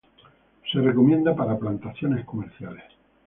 Se recomienda para plantaciones comerciales.